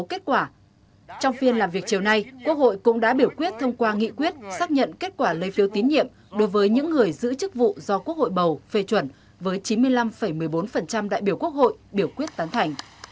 trong phiên làm việc chiều nay quốc hội cũng đã biểu quyết thông qua nghị quyết xác nhận kết quả lấy phiếu tín nhiệm đối với những người giữ chức vụ do quốc hội bầu phê chuẩn với chín mươi năm một mươi bốn đại biểu quốc hội biểu quyết tán thành